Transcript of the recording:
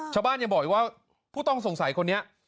ชาวบ้านยังบอกอีกว่าผู้ต้องสงสัยคนนี้